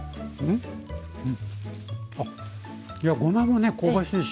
あごまもね香ばしいし。